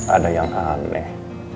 ada yang aneh